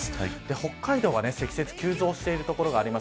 北海道は積雪が急増している所があります。